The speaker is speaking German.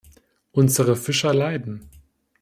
Unsere Fischer leiden.